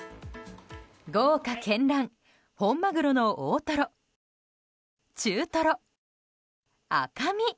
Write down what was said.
豪華絢爛、本マグロの大トロ中トロ、赤身！